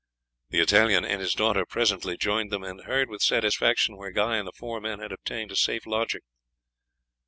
The Italian and his daughter presently joined them, and heard with satisfaction where Guy and the four men had obtained a safe lodging.